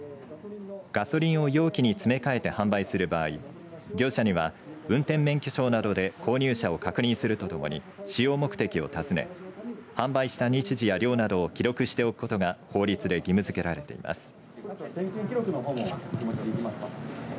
ガソリンを容器に詰め替えて販売する場合業者には運転免許証などで購入者を確認するとともに使用目的を訪ね販売した日時や量などを記録しておくことが法律で義務づけられています。